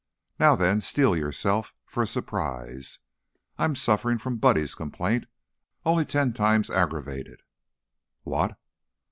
Now then, steel yourself for a surprise. I'm suffering from Buddy's complaint, only ten times aggravated!" "What?"